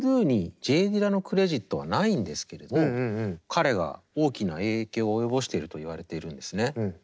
「Ｖｏｏｄｏｏ」にＪ・ディラのクレジットはないんですけれども彼が大きな影響を及ぼしているといわれているんですね。